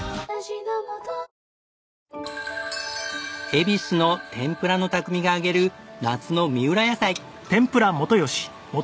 恵比寿の天ぷらの匠が揚げる夏の三浦野菜。